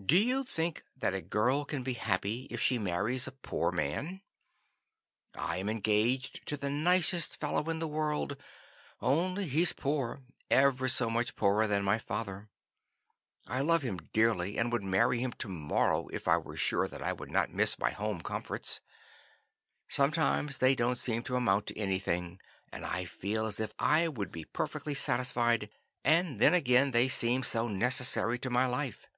"Do you think that a girl can be happy if she marries a poor man? I am engaged to the nicest fellow in the world, only he's poor, ever so much poorer than my father. I love him dearly and would marry him to morrow if I was sure that I would not miss my home comforts. Sometimes they don't seem to amount to anything, and I feel as if I would be perfectly satisfied, and then again they seem so necessary to my life.